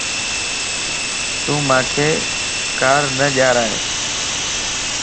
تون مانک کار نه ڄارائي